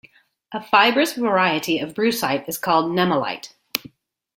A fibrous variety of brucite is called nemalite.